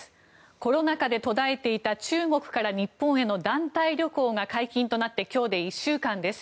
コロナ禍で途絶えていた中国から日本への団体旅行が解禁となって今日で１週間です。